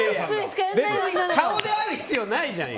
顔である必要ないじゃん。